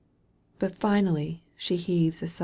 But finally she heaves a.